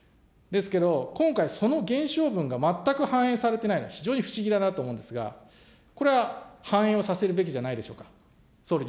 今回、その減少分が全く反映されていないのは非常に不思議だなと思うんですが、これは反映をさせるべきじゃないでしょうか。